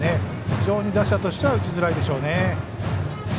非常に打者としては打ちづらいでしょうね。